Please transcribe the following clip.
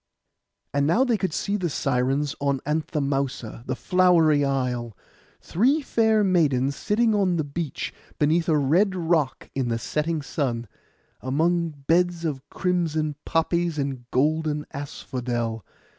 And now they could see the Sirens on Anthemousa, the flowery isle; three fair maidens sitting on the beach, beneath a red rock in the setting sun, among beds of crimson poppies and golden asphodel.